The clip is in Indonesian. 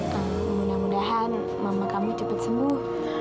semoga mudah mudahan mama kamu cepat sembuh